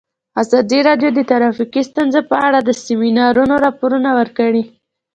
ازادي راډیو د ټرافیکي ستونزې په اړه د سیمینارونو راپورونه ورکړي.